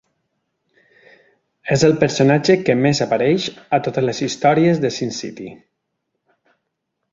És el personatge que més apareix a totes les històries de Sin City.